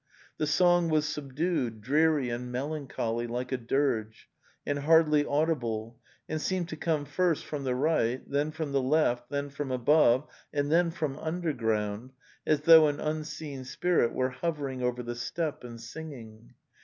The song was subdued, dreary and melancholy, like a dirge, and hardly audible, and seemed to come first from the right, then from the left, then from above, and then from underground, as though an unseen spirit were hovering over the steppe and singing.